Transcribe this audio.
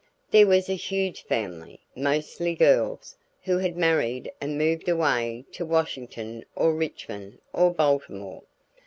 There was a huge family, mostly girls, who had married and moved away to Washington or Richmond or Baltimore.